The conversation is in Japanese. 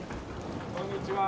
こんにちは。